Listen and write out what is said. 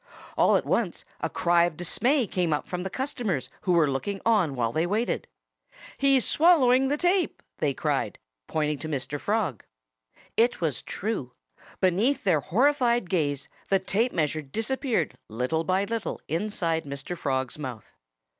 All at once a cry of dismay came from the customers who were looking on while they waited. "He's swallowing the tape!" they cried, pointing to Mr. Frog. It was true. Beneath their horrified gaze the tape measure disappeared little by little inside Mr. Frog's mouth.